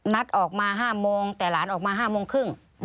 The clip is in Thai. นัดออกมา๕โมงแต่หลานออกมา๕โมงครึ่ง